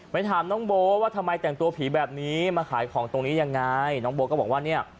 ถามน้องโบ๊ว่าทำไมแต่งตัวผีแบบนี้มาขายของตรงนี้ยังไงน้องโบ๊ก็บอกว่าเนี่ย